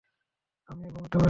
আমিও ঘুমোতে পারিনি।